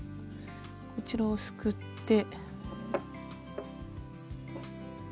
こちらをすくって。